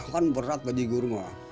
kan berat bajigur